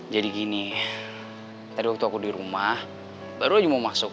jadi gini tadi waktu aku di rumah baru aja mau masuk